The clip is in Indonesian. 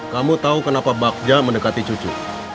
kamu tahu kenapa bagja mendekati cucu